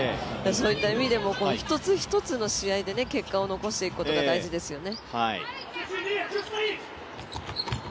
そういう意味でも一つ一つの試合で結果を残していくことが大事ですよね。